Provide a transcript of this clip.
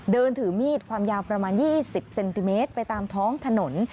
เดินถือมีดความยาวประมาณ๒๐เซนติเมตรไปตามท้องถนน